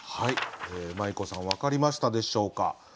まい子さん分かりましたでしょうか。